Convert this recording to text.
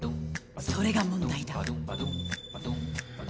それが問題だ。